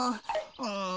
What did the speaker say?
うん。